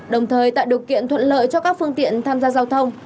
đồng thời tạo điều kiện thuận lợi cho các phương tiện tham gia giao thông